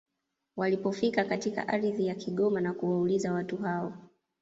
Walipofika katika ardhi ya Kigoma na kuwauliza watu hao